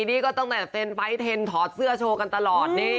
นี่ก็ตั้งแต่เซ็นไปเทนถอดเสื้อโชว์กันตลอดนี่